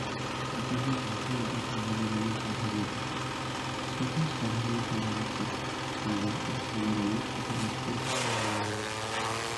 দেহে ধূসর বা বাদামি রঙের প্রাধান্য থাকে, সাথে সাধারণত লালচে, কালো বা সাদা রঙের সহাবস্থান থাকে।